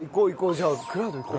じゃあクラウド行こう。